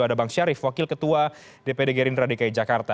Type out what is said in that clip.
ada bang syarif wakil ketua dpd gerindra dki jakarta